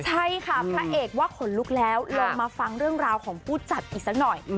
ใช่ค่ะพระเอกว่าขนลุกแล้วลองมาฟังเรื่องราวของผู้จัดอีกสักหน่อย